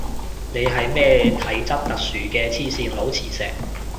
你係咩體質特殊嘅黐線佬磁石